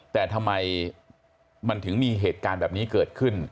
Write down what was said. แต่ทำไมมันถึงมีเหตุการณ์แบบนี้เกิดขึ้น